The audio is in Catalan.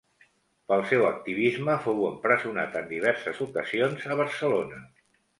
Pel seu activisme fou empresonat en diverses ocasions a Barcelona.